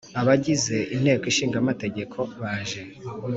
Abagize Inteko Ishinga Amategeko baje